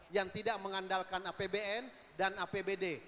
yang tidak mengandalkan apbn dan apbd